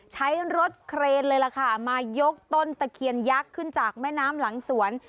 ใช้รถเครนเลยล่ะค่ะมายกต้นตะเคียนยักษ์ขึ้นจากแม่น้ำหลังสวน